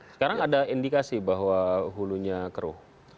sekarang ada indikasi bahwa hulunya keruh